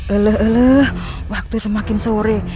eleh eleh waktu semakin sore